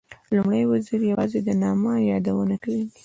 د لومړي وزیر یوازې د نامه یادونه کېږي.